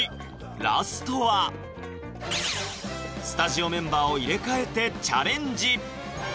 ラストはスタジオメンバーを入れ替えてチャレンジ！